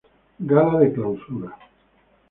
Gala de clausura.